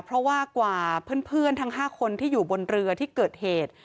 เพราะว่ากว่าเพื่อนทั้ง๕คนที่อยู่บนเรือที่เกิดเหตุ